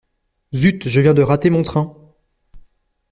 Zut, je viens de rater mon train.